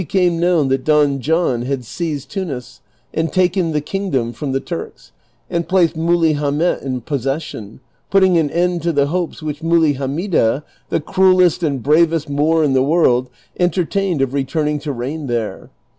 arae known that Don John had seized Tunis and taken the kingdom from the Turks, and placed Muley Ilamet in possession, jjutting an end to the hopes which INIuley Hamida, the crudest and bravest Moor in the world, entertained of returning to reign there.